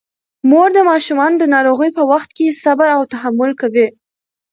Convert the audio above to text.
مور د ماشومانو د ناروغۍ په وخت کې صبر او تحمل کوي.